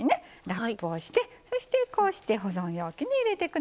ラップをしてそしてこうして保存容器に入れて下さい。